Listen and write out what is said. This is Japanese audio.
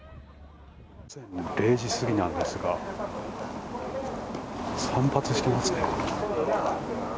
午前０時過ぎなんですが散髪していますね。